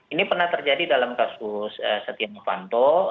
ini pernah terjadi dalam kasus setia novanto